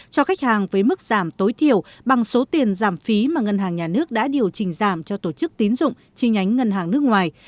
cho khách hàng với mức giảm tối thiểu bằng số tiền giảm phí mà ngân hàng nhà nước đã điều chỉnh giảm cho tổ chức tín dụng chi nhánh ngân hàng nước ngoài